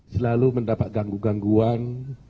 selalu mendapat ganggu gangguan